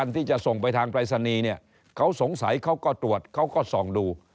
ที่จะส่งไปทางปรายศนีย์เนี่ยเขาสงสัยเขาก็ตรวจเขาก็ส่องดู